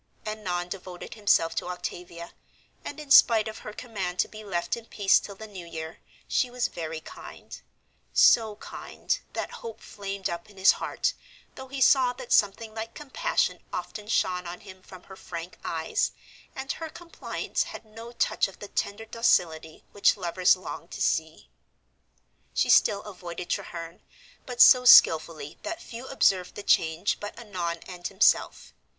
Annon devoted himself to Octavia, and in spite of her command to be left in peace till the New Year, she was very kind so kind that hope flamed up in his heart, though he saw that something like compassion often shone on him from her frank eyes, and her compliance had no touch of the tender docility which lovers long to see. She still avoided Treherne, but so skillfully that few observed the change but Annon and himself.